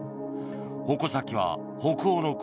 矛先は北欧の国